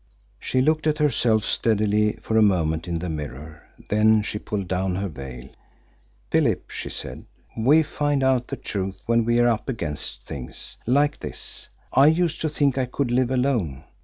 She looked at herself steadily for a moment in the mirror. Then she pulled down her veil. "Philip," she said, "we find out the truth when we are up against things like this. I used to think I could live alone.